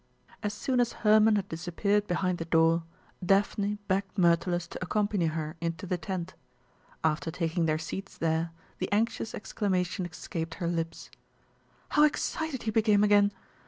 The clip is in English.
As soon as Hermon had disappeared behind the door Daphne begged Myrtilus to accompany her into the tent. After taking their seats there, the anxious exclamation escaped her lips: "How excited he became again!